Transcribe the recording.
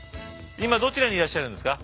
今どちらにいらっしゃるんですか？